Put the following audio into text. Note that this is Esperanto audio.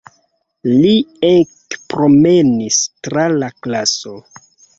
Li ekpromenis tra la klaso.